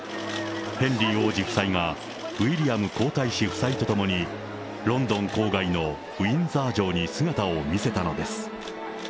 ヘンリー王子夫妻が、ウィリアム皇太子夫妻と共に、ロンドン郊外のウインザー城に姿を見せたのです。